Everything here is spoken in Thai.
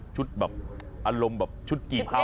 แบบอารมณ์แบบชุดจีเท้า